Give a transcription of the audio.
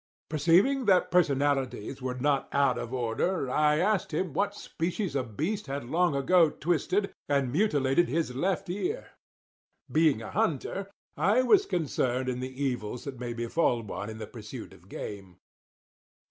Perceiving that personalities were not out of order, I asked him what species of beast had long ago twisted and mutilated his left ear. Being a hunter, I was concerned in the evils that may befall one in the pursuit of game.